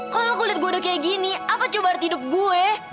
kalau kulit gue udah kayak gini apa coba harap hidup gue